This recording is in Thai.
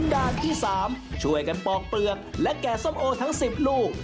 ด้านที่๓ช่วยกันปอกเปลือกและแก่ส้มโอทั้ง๑๐ลูก